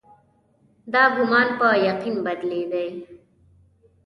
دا ګومان په یقین بدلېدی.